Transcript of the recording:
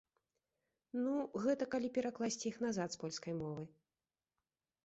Ну, гэта калі перакласці іх назад з польскай мовы.